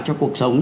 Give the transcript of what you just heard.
cho cuộc sống